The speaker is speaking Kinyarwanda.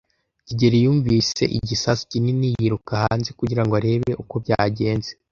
kigeli yumvise igisasu kinini yiruka hanze kugira ngo arebe uko byagenze.